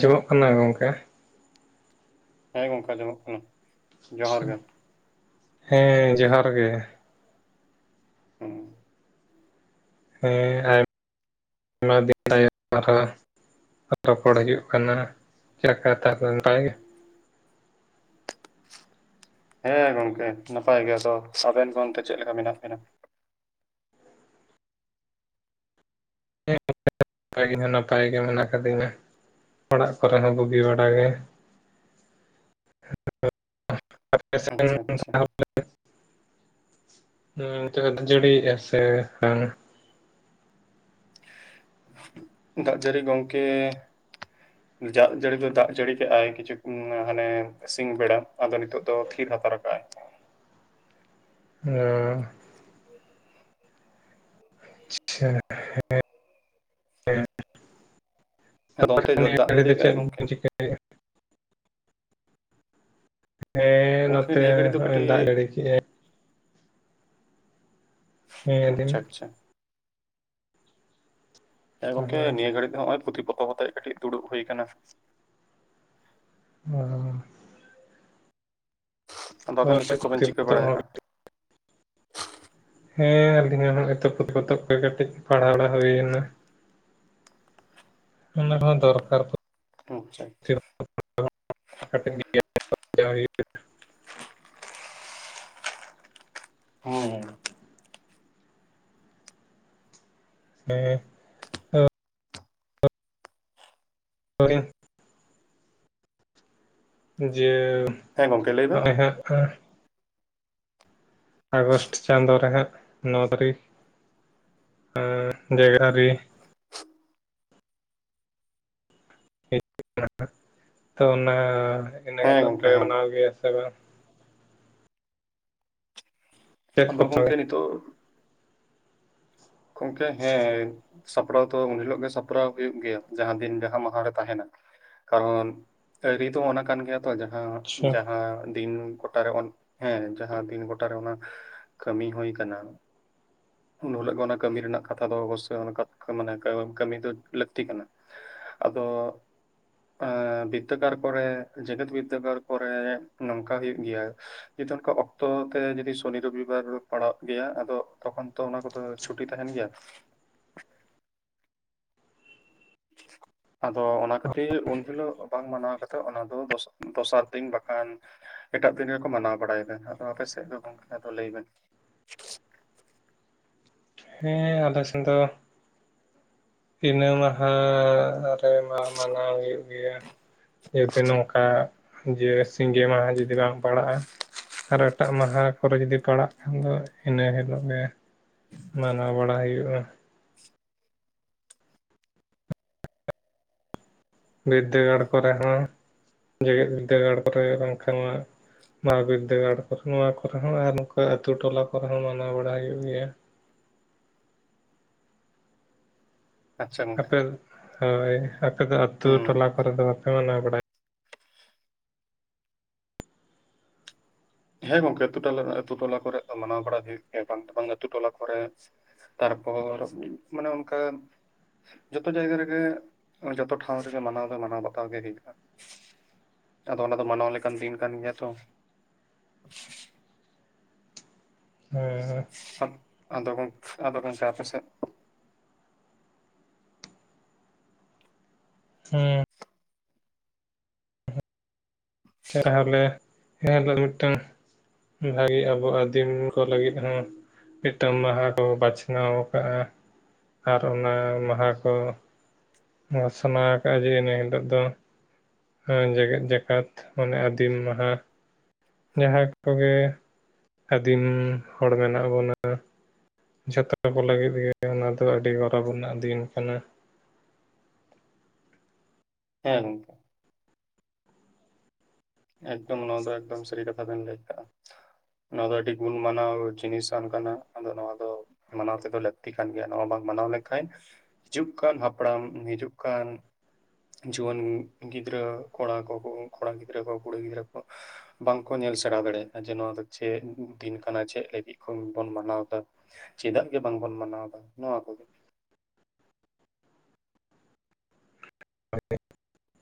ᱡᱚᱢᱚᱜ ᱠᱟᱱᱟ ᱜᱚᱢᱠᱮ ᱦᱮᱸ ᱜᱚᱝᱠᱮ ᱟᱡᱚᱢᱚᱜ ᱠᱟᱱᱟ ᱡᱚᱦᱟᱨ ᱜᱮ [unintelligible] ᱦᱮᱸ ᱡᱚᱦᱟᱨ ᱜᱮ ᱦᱮᱸ ᱦᱮᱸ ᱟᱭᱢᱟ ᱫᱤᱱ [unintelligible] ᱛᱟᱭᱚᱢ ᱟᱨᱦᱚᱸ ᱨᱚᱯᱚᱲ ᱦᱤᱡᱩᱜ ᱠᱟᱱᱟ [unintelligible] ᱦᱮᱸ ᱜᱚᱢᱠᱮ ᱱᱟᱯᱟᱭ ᱜᱮᱭᱟ ᱛᱚ ᱟᱵᱮᱱ ᱜᱚᱝᱠᱮ ᱪᱮᱫ ᱞᱮᱠᱟ ᱢᱮᱱᱟᱜ ᱵᱮᱱᱟ [inaudible] ᱟᱞᱤᱧ ᱦᱚᱸ ᱱᱟᱯᱟᱭ ᱜᱮ ᱢᱮᱱᱟᱜ ᱟᱠᱟᱫᱤᱧᱟ ᱚᱲᱟᱜ ᱠᱚᱨᱮ ᱦᱚᱸ ᱵᱩᱜᱤ ᱵᱟᱲᱟ ᱜᱮ [inaudible] ᱟᱯᱮ ᱥᱮᱱ ᱟᱪᱪᱷᱟ ᱟᱪᱪᱷᱟ [unintelligible] ᱦᱮᱸ ᱱᱤᱛᱚᱜ ᱫᱚ ᱡᱟᱹᱲᱤᱭᱮᱫᱼᱟ ᱥᱮ ᱦᱮᱸ ᱫᱟᱜ ᱡᱟᱹᱲᱤ ᱜᱚᱝᱠᱮ ᱫᱟᱜ ᱡᱟᱹᱲᱤ ᱫᱚ ᱫᱟᱜ ᱡᱟᱹᱲᱤ ᱠᱮᱜᱼᱟᱭ ᱠᱤᱪᱷᱩ ᱦᱟᱱᱮ ᱥᱤᱧ ᱵᱮᱲᱟ ᱟᱫᱚ ᱱᱤᱛᱳ ᱫᱚ ᱛᱷᱤᱨ [unintelligible] ᱚ ᱟᱪᱪᱷᱟ ᱦᱮᱸᱮ ᱟᱫᱚ ᱚᱱᱛᱮ ᱛ ᱫᱟᱜ ᱱᱤᱭᱟᱹ [unintelligible] ᱫᱚ ᱡᱟᱹᱲᱤ ᱠᱟᱜᱼᱟᱭ ᱪᱮᱫ ᱜᱚᱝᱠᱮ ᱵᱧ ᱪᱤᱠᱟᱹᱟ ᱦᱮᱸ ᱜᱚᱝᱠᱮ ᱱᱚᱛᱮ ᱱᱤᱭᱟᱹ ᱜᱷᱟᱹᱲᱤᱡ ᱫᱚ ᱦᱚᱸᱜᱼ ᱫᱟᱜ ᱠᱟᱹᱴᱤᱡ ᱡᱟᱲᱮ ᱠᱮᱜᱼᱟᱭ ᱱᱤᱭᱟᱹ ᱫᱤᱱ ᱟᱪᱪᱷᱟ ᱟᱪᱪᱷᱟ ᱦᱮᱸ ᱜᱚᱝᱠᱮ ᱱᱤᱭᱟᱹ ᱜᱷᱟᱹᱲᱤᱡ ᱫᱚ ᱱᱚᱜᱼᱚᱭ ᱯᱩᱛᱷᱤ ᱯᱚᱛᱛᱚᱵ ᱠᱟᱛᱮᱜ ᱠᱟᱹᱴᱤᱡ ᱫᱩᱲᱩᱵ ᱦᱩᱭ ᱟᱠᱟᱱᱟ ᱚ ᱟᱫᱚ ᱟᱵᱮᱱ ᱫᱚ ᱪᱮᱫ ᱠᱚᱵᱮᱱ ᱯᱩᱛᱷᱤ ᱪᱤᱠᱟᱹ ᱯᱚᱛᱚᱵ ᱦᱚᱸ ᱵᱟᱲᱟᱭᱮᱫᱼᱟ ᱦᱮᱸ ᱟᱹᱞᱤᱧᱟᱜ ᱮᱛᱚᱛ ᱯᱚᱛᱚᱵ ᱠᱚ ᱠᱟᱹᱴᱤᱡ ᱯᱟᱲᱦᱟᱣ ᱦᱩᱭᱱᱟ ᱚᱱᱟ ᱦᱚᱸ ᱫᱚᱨᱠᱟᱨ ᱟᱪᱪᱷᱟ ᱟᱪᱪᱷᱟ [inaudible] ᱦᱩᱭ ᱦᱮᱸ ᱦᱮᱸ ᱦᱤᱭᱻ ᱡᱮ ᱦᱮᱸ ᱜᱚᱝᱠᱮ ᱞᱟᱹᱭ ᱵᱮᱱ ᱱᱚᱜᱼᱚᱭ ᱦᱟᱸᱜ ᱟᱜᱚᱥᱴ ᱪᱟᱸᱫᱳ ᱨᱮᱦᱟᱸᱜ ᱱᱚ ᱛᱟᱹᱨᱤᱠᱷ ᱟᱻᱦᱦ ᱰᱮᱜᱟᱨᱤ ᱛᱚ ᱚᱱᱟ ᱤᱱᱟᱹ ᱦᱮᱸ ᱦᱤᱞᱳᱜ ᱯᱮ ᱜᱚᱝᱠᱮ ᱦᱮᱸ ᱢᱟᱱᱟᱣ ᱜᱮᱭᱟ ᱥᱮ ᱵᱟᱝ? ᱪᱮᱫ ᱟᱵᱩ ᱠᱚ ᱯᱮ ᱜᱚᱢᱠᱮ ᱱᱤᱛᱚᱜ ᱜᱚᱢᱠᱮ ᱦᱮᱸ ᱥᱟᱯᱲᱟᱣ ᱛᱚ ᱩᱱ ᱦᱤᱞᱳᱜ ᱜᱮ ᱥᱟᱯᱲᱟᱣ ᱦᱩᱭᱩᱜ ᱜᱮᱭᱟ ᱡᱟᱦᱟᱸ ᱫᱤᱱ ᱡᱟᱦᱟᱸ ᱢᱟᱦᱟᱨᱮ ᱛᱟᱦᱮᱸᱱᱟ ᱠᱟᱨᱚᱱ ᱟᱹᱨᱤ ᱫᱚ ᱚᱱᱟ ᱠᱟᱱ ᱜᱮᱭᱟ ᱛᱚ ᱡᱟᱦᱟᱸ ᱟᱪᱪᱷᱟ ᱡᱟᱦᱟᱸ ᱫᱤᱱ ᱜᱚᱴᱟᱨᱮ ᱳᱱ ᱦᱮᱸ ᱡᱟᱦᱟᱸ ᱫᱤᱱ ᱜᱚᱴᱟᱨᱮ ᱚᱱᱟ ᱠᱟᱹᱢᱤ ᱦᱚᱭ ᱠᱟᱱᱟ ᱩᱱ ᱦᱚᱸᱞᱟᱹᱜ ᱚᱱᱟ ᱠᱟᱹᱢᱤ ᱨᱮᱱᱟᱜ ᱠᱟᱛᱷᱟ ᱫᱚ ᱚᱵᱚᱥᱳᱭ ᱚᱱᱠᱟ ᱢᱟᱱᱮ ᱠᱟᱹᱢᱤ ᱫᱚ ᱞᱟᱹᱠᱛᱤ ᱠᱟᱱᱟ ᱟᱫᱚᱜ ᱵᱤᱫᱽᱫᱟᱹᱜᱟᱲ ᱠᱚᱨᱮ ᱡᱮᱜᱮᱛ ᱵᱤᱫᱽᱫᱟᱹᱜᱟᱲ ᱠᱚᱨᱮ ᱱᱚᱝᱠᱟ ᱦᱩᱭᱩᱸᱜ ᱜᱮᱭᱟ ᱚᱱᱠᱟ ᱚᱠᱛᱚ ᱛᱮ ᱡᱩᱫᱤ ᱥᱩᱱᱤ ᱨᱩᱵᱤᱵᱟᱨ ᱯᱟᱲᱟᱜ ᱜᱮᱭᱟ ᱟᱫᱚ ᱛᱚᱠᱷᱚᱱ ᱛᱚ ᱚᱱᱟ ᱠᱚᱫᱚ ᱪᱷᱩᱴᱤ ᱛᱟᱦᱮᱸᱱ ᱜᱮᱭᱟ? [inaudible] ᱟᱫᱚ ᱚᱱᱟ ᱠᱷᱟᱹᱛᱤᱨ ᱩᱱᱦᱤᱞᱳᱜ ᱵᱟᱝ ᱢᱟᱱᱟᱣ ᱠᱟᱛᱮᱜ ᱚᱱᱟ ᱫᱚ ᱫᱚᱥᱟᱨ ᱫᱤᱱ ᱵᱟᱠᱷᱟᱱ ᱮᱴᱟᱜ ᱫᱤᱱ ᱜᱮᱠᱚ ᱢᱟᱱᱟᱣ ᱵᱟᱲᱟᱭ ᱫᱟ ᱟᱫᱚ ᱟᱯᱮ ᱥᱮᱫ ᱫᱚ ᱜᱚᱢᱠᱮ ᱟᱫᱚ ᱞᱟᱹᱭ ᱵᱮᱱ [inaudible] ᱦᱮᱸ ᱟᱞᱮ ᱥᱮᱱ ᱫᱚ ᱤᱱᱟᱹ ᱢᱟᱦᱟᱸ ᱨᱮᱢᱟᱸ ᱢᱟᱱᱟᱣ ᱦᱩᱭᱩᱜ ᱜᱮᱭᱟ ᱡᱤᱛᱮ ᱱᱚᱝᱠᱟ ᱡᱮ ᱥᱤᱸᱜᱮ ᱢᱟᱦᱟᱸ ᱡᱩᱫᱤ ᱵᱟᱝ ᱯᱟᱲᱟᱜᱼᱟ ᱟᱨ ᱮᱴᱟᱜ ᱢᱟᱦᱟᱸ ᱠᱚᱨᱮ ᱡᱩᱫᱤ ᱯᱟᱲᱟᱜ ᱫᱚ ᱤᱱᱟᱹ ᱦᱤᱞᱳᱜ ᱜᱮ ᱢᱟᱱᱟᱣ ᱵᱟᱲᱟ ᱦᱩᱭᱩᱜᱼᱟ ᱵᱤᱫᱽᱫᱟᱹᱜᱟᱲ ᱠᱚᱨᱮ ᱦᱚᱸ ᱡᱮᱜᱮᱸᱫ ᱵᱤᱫᱽᱫᱟᱹᱜᱟᱲ ᱠᱚᱨᱮ ᱵᱟᱝᱠᱷᱟᱱ ᱢᱟᱸ ᱦᱟᱸ ᱵᱤᱫᱟᱹᱜᱟᱲ ᱠᱚᱨᱮ ᱱᱚᱣᱟ ᱠᱚᱨᱮ ᱦᱚᱸ ᱟᱨ ᱱᱚᱝᱠᱟ ᱟᱹᱛᱩ ᱴᱚᱞᱟ ᱠᱚᱨᱮ ᱦᱚᱸ ᱢᱟᱱᱟᱣ ᱵᱟᱲᱟ ᱦᱩᱭᱩᱜ ᱜᱮᱭᱟ ᱟᱪᱪᱷᱟ ᱜᱚᱝᱠᱮ ᱟᱯᱮ ᱦᱳᱭ ᱟᱯᱮ ᱫᱚ ᱟᱹᱛᱩ ᱦᱩᱸ ᱴᱚᱞᱟ ᱠᱚᱨᱮ ᱫᱚ ᱵᱟᱯᱮ ᱢᱟᱱᱟᱣ ᱵᱟᱲᱟᱭ ᱦᱮᱸ ᱜᱚᱝᱠᱮ ᱟᱹᱛᱩ ᱴᱚᱞᱟ ᱟᱹᱛᱩ ᱴᱚᱞᱟ ᱠᱚᱨᱮ ᱫᱚ ᱢᱟᱱᱟᱣ ᱵᱟᱲᱟ ᱦᱩᱭᱩᱜ ᱜᱮᱭᱟ, ᱵᱟᱝ ᱫᱚ ᱵᱟᱝ ᱟᱹᱛᱩ ᱴᱚᱞᱟ ᱠᱚᱨᱮ ᱛᱟᱨᱯᱚᱨ ᱢᱟᱱᱮ ᱚᱱᱠᱟᱱ ᱡᱚᱛᱚ ᱡᱟᱭᱜᱟ ᱨᱮᱜᱮ ᱡᱚᱛᱚ ᱴᱷᱟᱶ ᱨᱮᱜᱮ ᱢᱟᱱᱟᱣ ᱫᱚ ᱢᱟᱱᱟᱣ ᱵᱟᱛᱟᱣ ᱜᱮ ᱦᱩᱭᱩᱜᱼᱟ ᱟᱫᱚ ᱚᱱᱟ ᱫᱚ ᱢᱟᱱᱳᱣ ᱞᱮᱠᱟᱱ ᱫᱤᱱ ᱠᱟᱱ ᱜᱮᱭᱟ ᱛᱚ ᱦᱮᱸᱻᱦᱮᱸ ᱟᱫᱚ ᱜᱱᱠ ᱟᱫᱚ ᱜᱚᱢᱠᱮ ᱟᱯᱮ ᱥᱮᱫ ᱦᱮᱸ ᱛᱟᱦᱚᱞᱮ ᱮᱱᱦᱤᱞᱳᱜ ᱢᱤᱫ ᱴᱟᱝ ᱵᱷᱟᱜᱤ ᱟᱵᱩ ᱟᱹᱫᱤᱢ ᱠᱩ ᱞᱟᱹᱜᱤᱫ ᱦᱚᱸ ᱢᱤᱫᱴᱟᱱ ᱢᱟᱦᱟᱸ ᱠᱩ ᱵᱟᱪᱷᱱᱟᱣ ᱠᱟᱜᱼᱟ ᱟᱨ ᱚᱱᱟ ᱢᱟᱦᱟᱸ ᱠᱚ ᱥᱟᱱᱟ ᱠᱟᱜᱼᱟ ᱡᱮ ᱤᱱᱟᱹ ᱦᱤᱞᱳᱜ ᱫᱚ ᱟᱹ ᱡᱮᱜᱮᱛ ᱡᱟᱠᱟᱛ ᱢᱟᱱᱮ ᱟᱫᱤᱢ ᱢᱟᱦᱟ ᱡᱟᱦᱟᱸ ᱠᱚᱜᱮ ᱟᱫᱤᱢ ᱦᱚᱲ ᱢᱮᱱᱟᱜ ᱵᱚᱸᱱᱟ ᱡᱷᱚᱛᱚ ᱠᱚ ᱞᱟᱹᱜᱤᱫ ᱜᱮ ᱚᱱᱟ ᱫᱚ ᱟᱹᱰᱤ ᱜᱚᱨᱚᱵᱽ ᱨᱮᱱᱟᱜ ᱫᱤᱱ ᱠᱟᱱᱟ [inaudible] ᱦᱮᱸ ᱜᱚᱸᱝᱠᱮ ᱮᱠᱫᱚᱢ ᱱᱚᱣᱟ ᱫᱚ ᱮᱠᱫᱚᱢ ᱥᱟᱹᱨᱤ ᱠᱟᱛᱷᱟ ᱵᱮᱱ ᱞᱟᱹᱭ ᱟᱠᱟᱜᱼᱟ ᱱᱚᱶᱟ ᱫᱚ ᱟᱹᱰᱤ ᱜᱩᱱ ᱢᱟᱱᱟᱣ ᱡᱤᱱᱤᱥᱟᱱ ᱠᱟᱱᱟ ᱟᱫᱚ ᱱᱚᱸᱣᱟ ᱫᱚ ᱢᱟᱱᱟᱣ ᱛᱮᱫᱚ ᱞᱟᱹᱠᱛᱤ ᱠᱟᱱ ᱜᱮᱭᱟ ᱱᱚᱣᱟ ᱵ ᱢᱟᱱᱟᱣ ᱞᱮᱠᱷᱟᱪ ᱦᱤᱡᱩᱜ ᱠᱟᱱ ᱦᱟᱯᱲᱟᱢ ᱦᱤᱡᱩᱜ ᱠᱟᱱ ᱡᱩᱣᱟᱹᱱ ᱜᱤᱫᱽᱨᱟᱹ ᱠᱚᱲᱟ ᱠᱚᱸᱠᱚ ᱠᱚᱲᱟ ᱜᱤᱫᱽ ᱜᱤᱫᱽᱨᱟᱹ ᱠᱚ ᱠᱩᱲᱤ ᱜᱤᱫᱽᱨᱟᱹ ᱠᱚ ᱵᱟᱝ ᱠᱚ ᱧᱮᱞ ᱥᱮᱬᱟᱣ ᱫᱟᱲᱮᱭᱟᱜᱼᱟ ᱡᱮ ᱱᱚᱣᱟ ᱫᱚ ᱪᱮᱫ ᱫᱤᱱ ᱠᱟᱱᱟ ᱪᱮᱫ ᱞᱟᱹᱜᱤᱫ ᱵᱚᱱ ᱢᱟᱱᱟᱣᱮᱫᱟ ᱪᱮᱫᱟᱜ ᱜᱮ ᱵᱟᱝᱵᱚᱱ ᱢᱟᱱᱟᱣᱮᱫᱟ ᱱᱚᱣᱟ ᱠᱚᱜᱮ [inaudible] [unintelligible]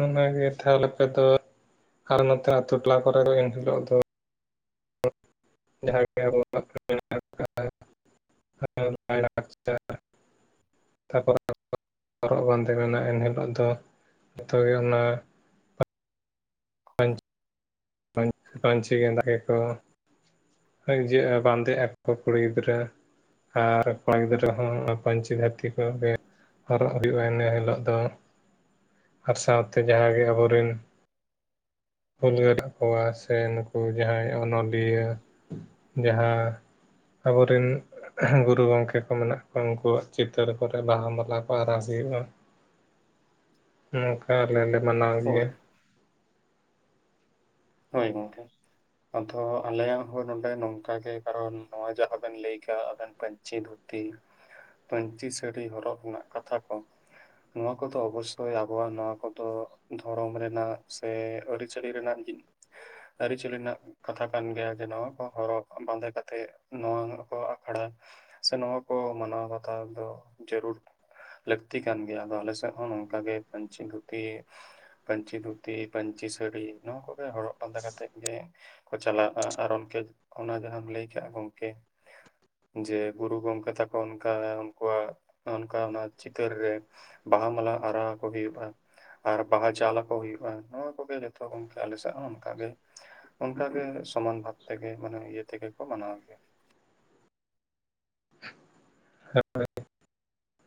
ᱚᱱᱟ ᱜᱤᱛᱷᱚ ᱟᱨ ᱱᱚᱛᱮᱱᱟᱜ ᱟᱹᱛᱩ ᱴᱚᱞᱟ ᱠᱚᱨᱮ ᱫᱚ ᱮᱱᱦᱤᱞᱳᱜ ᱫᱚ [unintelligible] [unintelligible] ᱦᱚᱨᱚᱜ ᱵᱟᱸᱫᱮ ᱢᱮᱱᱟᱜ ᱮᱱᱦᱤᱞᱳᱜ ᱫᱚ ᱡᱚᱛᱚ ᱜᱮ ᱚᱱᱟ ᱯᱟᱹᱪᱤ ᱜᱮᱸᱫᱟᱜ ᱜᱮᱠᱚ [unintelligible] ᱵᱟᱸᱫᱮᱜ ᱟᱠᱚ ᱠᱩᱲᱤ ᱜᱤᱫᱽᱨᱟᱹ ᱟᱨ ᱠᱚᱲᱟ ᱜᱤᱫᱽᱨᱟᱹ ᱦᱚᱸ ᱯᱟᱹᱧᱪᱤ ᱫᱷᱩᱛᱤ ᱠᱚᱜᱮ ᱦᱚᱨᱚᱜ ᱦᱩᱭᱩᱜᱼᱟ ᱤᱱᱟᱹ ᱦᱤᱞᱳᱜ ᱫᱚ ᱟᱨ ᱥᱟᱶᱛᱮ ᱡᱟᱦᱟᱸᱜᱮ ᱟᱵᱚ ᱨᱤᱱ ᱦᱩᱞᱜᱟᱹ ᱨᱮ ᱠᱚᱣᱟ ᱥᱮ ᱱᱩᱠᱩ ᱡᱟᱦᱟᱸᱭ ᱚᱱᱚᱞᱤᱭᱟᱹ ᱡᱟᱦᱟᱸ ᱟᱵᱚᱨᱮᱱ ᱜᱩᱨᱩ ᱜᱚᱝᱠᱮ ᱠᱚ ᱢᱮᱱᱟᱜ ᱠᱚᱣᱟ ᱩᱱᱠᱩᱣᱟᱜ ᱪᱤᱛᱟᱹᱨ ᱠᱚᱨᱮ ᱵᱟᱦᱟ ᱢᱟᱞᱟ ᱠᱚ ᱟᱨᱟᱣ [unintelligible] [unintelligible] [unintelligible] ᱱᱚᱝᱠᱟ ᱟᱞᱮ ᱞᱮ ᱢᱟᱱᱟᱣ ᱜᱮᱭᱟ ᱦᱳᱭ ᱦᱳᱭ ᱜᱚᱝᱠᱮ ᱟᱫᱚ ᱟᱞᱮᱭᱟᱜ ᱦᱚᱸ ᱱᱚᱸᱰᱮ ᱱᱚᱝᱠᱟᱜ ᱜᱮ ᱠᱟᱨᱚᱱ ᱱᱚᱣᱟ ᱡᱟᱦᱟᱸ ᱵᱮᱱ ᱞᱟᱹᱭ ᱠᱟᱜᱼᱟ ᱟᱵᱮᱱ ᱯᱟᱹᱧᱪᱤ ᱫᱷᱩᱛᱤ ᱛᱤ ᱯᱟᱹᱧᱪᱤ ᱥᱟᱹᱲᱤ ᱦᱚᱨᱚᱜ ᱨᱮᱱᱟᱜ ᱠᱟᱛᱷᱟ ᱠᱚ ᱱᱚᱣᱟ ᱠᱚᱫᱚ ᱚᱵᱚᱥᱥᱳᱭ ᱟᱵᱚᱣᱟᱜ ᱱᱚᱣᱟ ᱠᱚᱫᱚ ᱫᱷᱚᱨᱚᱢ ᱨᱮᱱᱟᱜ ᱥᱮ ᱟᱹᱨᱤᱪᱟᱹᱞᱤ ᱨᱮᱱᱟᱜ [unintelligible] ᱟᱹᱨᱤᱪᱟᱹᱞᱤ ᱨᱮᱱᱟᱜ ᱠᱟᱛᱷᱟ ᱠᱟᱱ ᱜᱮᱭᱟ ᱡᱮᱱᱚ ᱠᱚ ᱦᱚᱨᱚᱜ ᱵᱟᱸᱫᱮ ᱠᱟᱛᱮ ᱱᱚᱣᱟ ᱠᱚ ᱟᱠᱷᱲᱟ ᱥᱮ ᱱᱚᱣᱟ ᱠᱚ ᱢᱟᱱᱟᱣ ᱵᱟᱛᱟᱣ ᱫᱚ ᱡᱟᱹᱨᱩᱲ ᱞᱟᱹᱠᱛᱤ ᱠᱟᱱ ᱜᱮᱭᱟ ᱟᱞᱮ ᱥᱮᱫ ᱦᱚᱸ ᱱᱚᱠᱟᱜᱮ ᱯᱟᱹᱧᱪᱤ ᱫᱷᱩᱛᱤ ᱯᱟᱹᱧᱪᱤ ᱫᱷᱩᱛᱤ ᱯᱟᱹᱧᱪᱤ ᱥᱟᱹᱲᱤ ᱱᱚᱣᱟ ᱠᱚ ᱦᱚᱨᱚᱜ ᱵᱟᱸᱫᱮ ᱠᱟᱛᱮᱜ ᱜᱮ ᱠᱚ ᱪᱟᱞᱟᱜᱼᱟ ᱚᱱᱟ ᱡᱟᱦᱟᱸᱢ ᱞᱟᱹᱭ ᱠᱟᱜ ᱜᱚᱢᱠᱮ ᱡᱮ ᱜᱩᱨᱩ ᱜᱚᱢᱠᱮ ᱛᱟᱠᱚ ᱚᱱᱠᱟ ᱩᱱᱠᱩᱣᱟᱜ ᱚᱱᱠᱟ ᱚᱱᱟ ᱪᱤᱛᱟᱹᱨ ᱨᱮ ᱵᱟᱦᱟ ᱢᱟᱞᱟ ᱟᱨᱟᱣ ᱟᱠᱚ ᱦᱩᱭᱩᱜᱼᱟ ᱟᱨ ᱵᱟᱦᱟ ᱪᱟᱞᱟᱠᱚ ᱦᱩᱭᱩᱜᱼᱟ ᱱᱚᱣᱟ ᱠᱚᱜᱮ ᱡᱚᱛᱚ ᱜᱚᱢᱠᱮ ᱟᱞᱮ ᱥᱮᱫ ᱦᱚᱸ ᱚᱱᱠᱟᱜᱮ ᱚᱱᱠᱟᱜᱮ ᱥᱚᱢᱟᱱ ᱵᱷᱟᱜᱽ ᱛᱮᱜᱮ ᱢᱟᱱᱮ ᱤᱭᱟᱹ ᱛᱮᱜᱮ ᱠᱚ ᱢᱟᱱᱟᱣ ᱜᱮᱭᱟ [inaudible]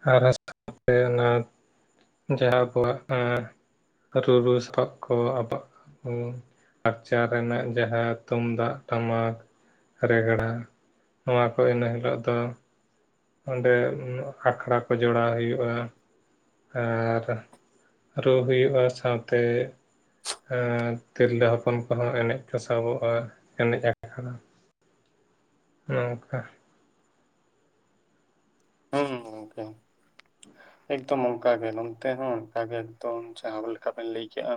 [unintelligible] ᱡᱟᱦᱟᱸ ᱠᱚᱣᱟᱜ [unintelligible] ᱨᱩᱨᱩ ᱥᱟᱯᱟᱯ ᱠᱚ [unintelligible] ᱠᱟᱪᱟ ᱨᱮᱱᱟᱜ ᱡᱟᱦᱟᱸ ᱛᱩᱢᱫᱟᱜ ᱴᱟᱢᱟᱠ ᱨᱮᱜᱽᱲᱟ ᱱᱚᱣᱟ ᱠᱚ ᱤᱱᱟᱹ ᱦᱤᱞᱳᱜ ᱫᱚ ᱚᱸᱰᱮ ᱟᱠᱷᱲᱟ ᱠᱚ ᱡᱚᱲᱟᱣ ᱦᱩᱭᱩᱜᱼᱟ ᱟᱨ ᱨᱩ ᱦᱩᱭᱩᱜᱼᱟ ᱥᱟᱶᱛᱮ ᱟᱨ ᱛᱤᱨᱞᱟᱹ ᱦᱚᱯᱚᱱ ᱠᱚᱦᱚᱸ ᱮᱱᱮᱡ ᱠᱚ ᱥᱟᱵᱚᱜᱼᱟ ᱮᱱᱮᱡ ᱟᱠᱷᱲᱟ ᱱᱚᱝᱠᱟ [unintelligible] ᱮᱠᱫᱚᱢ ᱚᱱᱠᱟᱜᱮ ᱱᱚᱱᱛᱮ ᱦᱚᱸ ᱚᱱᱠᱟᱜᱮ ᱮᱠᱫᱚᱢ ᱡᱟᱦᱟᱸ ᱞᱮᱠᱟᱵᱤᱱ ᱞᱟᱹᱭ ᱠᱮᱜᱼᱟ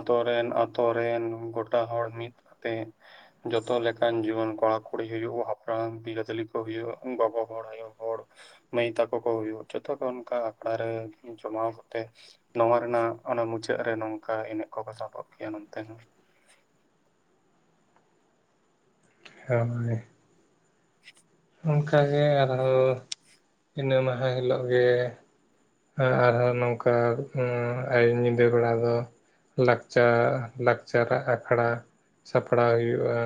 ᱟᱛᱳ ᱨᱮ ᱟᱛᱳ ᱨᱮᱱ ᱜᱚᱴᱟ ᱦᱚᱲ ᱢᱤᱫ ᱛᱮ ᱡᱚᱛᱚ ᱞᱮᱠᱟᱱ ᱡᱩᱣᱟᱹᱱ ᱠᱚᱲᱟ ᱠᱩᱲᱤ ᱦᱩᱭᱩᱜ ᱦᱟᱯᱲᱟᱢ ᱵᱤᱨᱟᱹᱫᱟᱹᱞᱤ ᱠᱚ ᱦᱩᱭᱩᱜ ᱵᱟᱵᱟ ᱦᱚᱲ ᱟᱭᱳ ᱦᱚᱲ ᱢᱟᱹᱭ ᱛᱟᱠᱚ ᱠᱚ ᱦᱩᱭᱩᱜ ᱡᱚᱛᱚ ᱠᱷᱚᱱ [unintelligible] ᱨᱮ ᱡᱚᱢᱟᱣ ᱠᱟᱛᱮ ᱱᱚᱣᱟ ᱨᱮᱱᱟᱜ ᱚᱱᱟ ᱢᱩᱪᱟᱹᱫ ᱨᱮ ᱱᱚᱝᱠᱟ ᱮᱱᱮᱡ ᱠᱚᱠᱚ ᱥᱟᱵᱚᱜ ᱜᱮᱭᱟ ᱱᱚᱱᱛᱮᱦᱚᱸ ᱦᱚᱭ [unintelligible] ᱚᱱᱠᱟ ᱜᱮ ᱟᱨᱦᱚᱸ ᱤᱱᱟᱹ ᱢᱟᱦᱟ ᱦᱤᱞᱳᱜ ᱜᱮ ᱟᱨ ᱦᱚᱸ ᱱᱚᱝᱠᱟ ᱮ ᱧᱤᱫᱟᱹ ᱵᱮᱲᱟ ᱫᱚ ᱞᱟᱠᱪᱟᱨ ᱞᱟᱠᱪᱟᱨᱟᱜ ᱟᱠᱷᱲᱟ ᱥᱟᱯᱲᱟᱣ ᱦᱩᱭᱩᱜᱼᱟ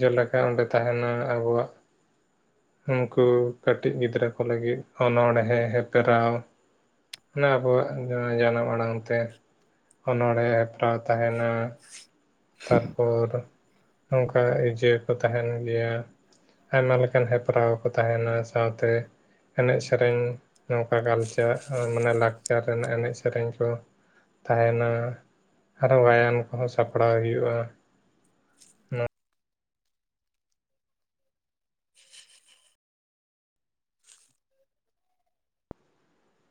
ᱡᱮᱞᱮᱠᱟ ᱚᱸᱰᱮ ᱛᱟᱦᱮᱱᱟ ᱟᱵᱚᱣᱟᱜ ᱩᱱᱠᱩ ᱠᱟᱹᱴᱤᱡ ᱜᱤᱫᱽᱨᱟᱹ ᱠᱚ ᱞᱟᱹᱜᱤᱫ ᱚᱱᱚᱬᱦᱮᱸ ᱦᱮᱯᱨᱟᱣ ᱚᱱᱟ ᱟᱵᱚᱣᱟᱜ ᱡᱟᱱᱟᱢ ᱟᱲᱟᱝ ᱛᱮ ᱚᱱᱚᱬᱦᱮᱸ ᱦᱮᱯᱨᱟᱣ ᱛᱟᱦᱮᱱᱟ ᱛᱟᱨᱯᱚᱨ ᱱᱚᱝᱠᱟ ᱡᱮ ᱠᱚ ᱛᱟᱦᱮᱱ ᱜᱮᱭᱟ ᱟᱭᱢᱟ ᱞᱮᱠᱟᱱ ᱦᱮᱯᱨᱟᱣ ᱠᱚ ᱛᱟᱦᱮᱱᱟ ᱥᱟᱶᱛᱮ ᱮᱱᱮᱡ ᱥᱮᱨᱮᱧ ᱱᱚᱝᱠᱟ ᱠᱟᱞᱪᱟᱨ ᱢᱟᱱᱮ ᱞᱟᱠᱪᱟᱨ ᱨᱮᱱᱟᱜ ᱮᱱᱮᱡ ᱥᱮᱨᱮᱧ ᱠᱚ ᱛᱟᱦᱮᱱᱟ ᱟᱨᱦᱚᱸ ᱜᱟᱭᱟᱱ ᱠᱚᱦᱚᱸ ᱥᱟᱯ ᱥᱟᱯᱲᱟᱣ ᱦᱩᱭᱩᱜᱼᱟ [inaudible]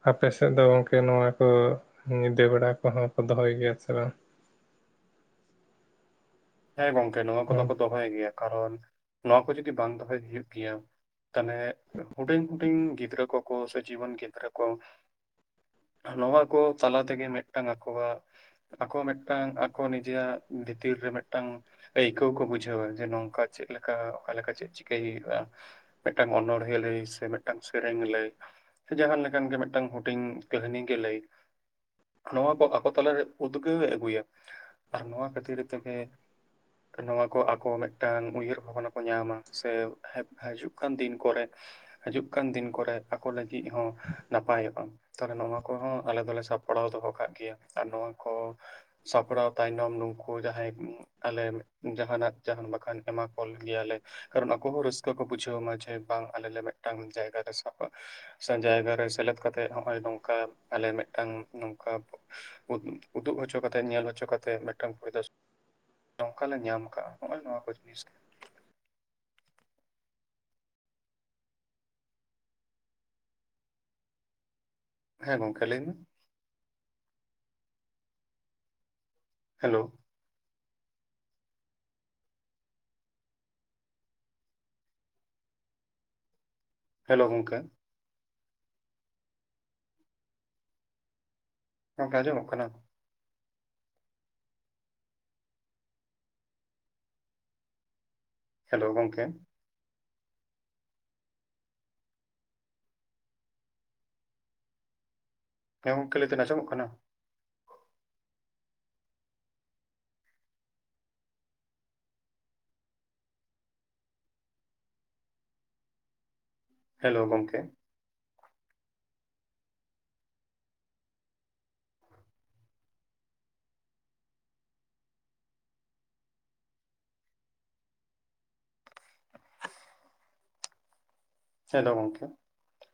ᱟᱯᱮ ᱥᱮᱫ ᱫᱚ ᱜᱚᱝᱠᱮ ᱱᱚᱣᱟ ᱠᱚ ᱧᱤᱫᱟᱹ ᱱᱮ, ᱲᱟ ᱠᱚᱦᱚᱸ ᱠᱚ ᱫᱚᱦᱚᱭ ᱜᱮᱭᱟ ᱥᱮ ᱵᱟᱝ ᱦᱮᱸ ᱜᱚᱢᱠᱮ ᱱᱚᱣᱟ ᱠᱚᱫᱚ ᱠᱚ ᱫᱚᱦᱚᱭ ᱜᱮᱭᱟ ᱠᱟᱨᱚᱱ ᱱᱚᱣᱟ ᱠᱚ ᱡᱩᱫᱤ ᱵᱟᱝ ᱫᱚᱦᱚᱭ ᱦᱩᱭᱩᱜ ᱜᱮᱭᱟ ᱛᱟᱦᱚᱞᱮ ᱦᱩᱰᱤᱧ ᱦᱩᱰᱤᱧ ᱜᱤᱫᱽᱨᱟᱹ ᱠᱚᱠᱚ ᱥᱚᱪᱩ. ᱡᱤᱣᱚᱴᱟᱹᱱ ᱜᱤᱫᱽᱨᱟᱹ ᱠᱚ ᱱᱚᱣᱟ ᱠᱚ ᱛᱟᱞᱟ ᱛᱮᱜᱮ ᱢᱤᱫᱴᱟᱝ ᱟᱠᱚᱣᱟᱜ ᱟᱠᱚ ᱢᱤᱫᱴᱟᱝ ᱟᱠᱚ ᱱᱤᱡᱮ ᱟᱜ ᱵᱷᱤᱛᱤᱨ ᱨᱮ ᱢᱮᱫ ᱢᱤᱫᱴᱟᱝ ᱟᱹᱭᱠᱟᱹᱣ ᱠᱚ ᱵᱩᱡᱷᱟᱹᱣᱟ ᱡᱮ ᱱᱚᱝᱠᱟ ᱪᱮᱫ ᱞᱮᱠᱟ ᱚᱠᱟ ᱞᱮᱠᱟ ᱪᱮᱫ ᱪᱤᱠᱟᱹᱭ ᱦᱩᱭᱩᱜᱼᱟ ᱢᱤᱫᱴᱟᱝ ᱚᱱᱚᱲᱦᱮᱸ ᱞᱟᱹᱭ ᱥᱮ ᱢᱤᱫᱴᱟᱝ ᱥᱮᱨᱮᱧ ᱞᱟᱹᱭ ᱥᱮ ᱡᱟᱦᱟ ᱞᱮᱠᱟᱱ ᱜᱮ ᱢᱤᱫᱴᱟᱝ ᱦᱩᱰᱤᱧ ᱠᱟᱹᱦᱱᱤ ᱜᱮ ᱞᱟᱹᱭ ᱱᱚᱣᱟ ᱠᱚ ᱟᱠᱚ ᱛᱟᱞᱟᱨᱮ ᱩᱫᱽᱜᱟᱹᱣᱮ ᱟᱹᱜᱩᱭᱟ ᱟᱨ ᱱᱚᱣᱟ ᱠᱷᱟᱹᱛᱤᱨ ᱛᱮᱜᱮ ᱱᱚᱣᱟ ᱠᱚ ᱟᱠᱚ ᱢᱤᱫᱴᱟᱝ ᱩᱭᱦᱟᱹᱨ ᱵᱷᱟᱵᱽᱱᱟ ᱠᱚ ᱧᱟᱢᱟ ᱥᱮ ᱦᱤᱡᱩᱜ ᱠᱟᱱ ᱫᱤᱱ ᱠᱚᱨᱮ ᱦᱤᱡᱩᱜ ᱠᱟᱱ ᱫᱤᱱ ᱠᱚᱨᱮ ᱟᱠᱚ ᱞᱟᱹᱜᱤᱫ ᱦᱚᱸ ᱱᱟᱯᱟᱭᱚᱜᱼᱟ ᱛᱟᱦᱞᱮ ᱱᱚᱣᱟ ᱠᱚᱦᱚᱸ ᱟᱞᱮ ᱫᱚᱞᱮ ᱥᱟᱯᱲᱟᱣ ᱫᱚᱦᱚ ᱠᱟᱜ ᱜᱮᱭᱟ ᱟᱨ ᱱᱚᱣᱟ ᱠᱚ ᱥᱟᱯᱲᱟᱣ ᱛᱟᱭᱱᱚᱢ ᱱᱩᱠᱩ ᱡᱟᱦᱟᱸᱭ ᱟᱞᱮ ᱡᱟᱦᱟᱱᱟᱜ ᱡᱟᱦᱟᱱ ᱵᱟᱠᱷᱟᱱ ᱮᱢᱟ ᱠᱚ ᱜᱮᱭᱟᱞᱮ ᱠᱟᱨᱚᱱ ᱟᱠᱚ ᱦᱚᱸ ᱨᱟᱹᱥᱠᱟᱹ ᱠᱚ ᱵᱩᱡᱷᱟᱹᱣ ᱢᱟ ᱡᱮ ᱵᱟᱝ ᱟᱞᱮ ᱞᱮ ᱢᱤᱫᱴᱟᱝ ᱡᱟᱭᱜᱟ ᱨᱮ ᱥᱟᱵᱼᱟ ᱥᱮ ᱡᱟᱭᱜᱟ ᱨᱮ ᱥᱮᱞᱮᱫ ᱠᱟᱛᱮ ᱱᱚᱜᱼᱚᱭ ᱱᱚᱝᱠᱟ ᱟᱞᱮ ᱢᱤᱫᱴᱟᱝ ᱢᱤᱫᱴᱟᱝ ᱱᱚᱝᱠᱟ ᱩᱫᱩᱜ ᱦᱚᱪᱚ ᱠᱟᱛᱮ ᱧᱮᱞ ᱦᱚᱪᱚ ᱠᱟᱛᱮ ᱢᱤᱫᱴᱟᱝ ᱯᱩᱭᱞᱩ ᱱᱚᱝᱠᱟ ᱞᱮ ᱧᱟᱢ ᱠᱟᱜᱼᱟ ᱱᱚᱜᱼᱚᱭ ᱱᱚᱣᱟ ᱠᱚ ᱡᱤᱱᱤᱥ ᱦᱮᱸ ᱜᱚᱝᱠᱮ ᱞᱟᱹᱭ ᱢᱮ ᱦᱮᱞᱳ ᱦᱮᱞᱳ ᱜᱚᱝᱠᱮ ᱜᱚᱢᱠᱮ ᱟᱸᱡᱚᱢᱚᱜ ᱠᱟᱱᱟ ᱦᱮᱞᱳ ᱜᱚᱢᱠᱮ ᱦᱮᱸ ᱜᱚᱢᱠᱮ ᱞᱟᱹᱭ ᱫᱟᱹᱧ ᱟᱧᱚᱢᱚᱜ ᱠᱟᱱᱟ ᱦᱮᱞᱳ ᱜᱚᱝᱠᱮ ᱦᱮᱞᱳ ᱜᱚᱝᱠᱮ